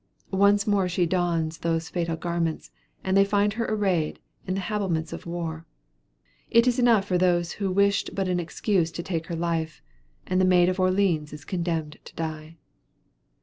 Once more she dons those fatal garments, and they find her arrayed in the habiliments of war. It is enough for those who wished but an excuse to take her life, and the Maid of Orleans is condemned to die.